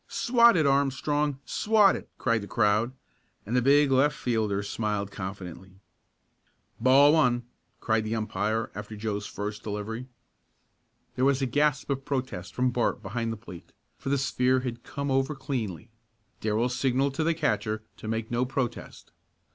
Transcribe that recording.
"Swat it, Armstrong! Swat it!" cried the crowd, and the big left fielder smiled confidently. "Ball one!" cried the umpire, after Joe's first delivery. There was a gasp of protest from Bart behind the plate, for the sphere had come over cleanly. Darrell signalled to the catcher to make no protest.